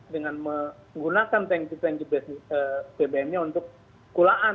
dengan menggunakan tank tank bbm nya untuk kulaan